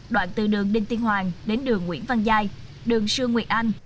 đoạn từ đường đinh tiên hoàng đến đường nguyễn văn giai đường sư nguyệt anh